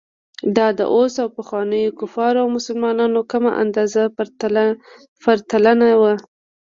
دا د اوس او پخوانیو کفارو او مسلمانانو کمه اندازه پرتلنه وه.